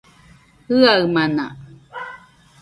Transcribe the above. Jiaɨamana